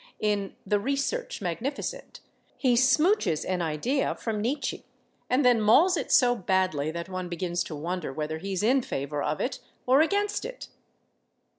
In "The Research Magnificent" he smouches an idea from Nietzsche, and then mauls it so badly that one begins to wonder whether he is in favor of it or against it.